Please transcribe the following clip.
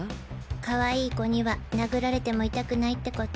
かわいい子には殴られても痛くないってこと？